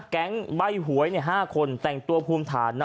แก๊งใบ้หวย๕คนแต่งตัวภูมิฐานนะ